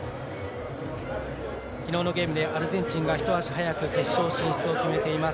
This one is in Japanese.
昨日のゲームでアルゼンチンが一足早く決勝進出を決めています。